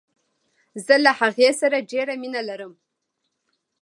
زه له هغې سره ډیره مینه لرم.